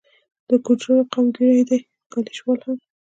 د ګوجرو قوم ګیري دي، ګالیش وال هم